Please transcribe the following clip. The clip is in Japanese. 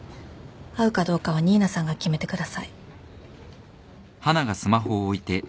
会うかどうかは新名さんが決めてください。